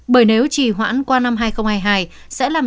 bởi nếu chỉ hoãn qua năm hai nghìn hai mươi hai